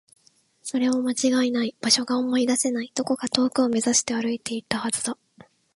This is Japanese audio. それは間違いない。場所が思い出せない。どこか遠くを目指して歩いていったはずだ。